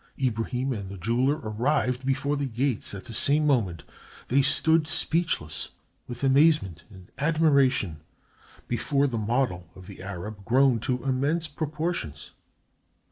Ibrahim and the jeweler arrived before the gates at the same moment. They stood speechless with amazement and admiration before the model of the Arab grown to immense proportions.